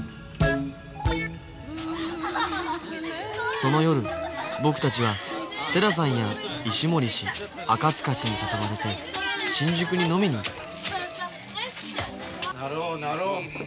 その夜僕たちは寺さんや石森氏赤塚氏に誘われて新宿に飲みに行ったなろうなろうあすなろ。